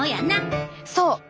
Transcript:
そう。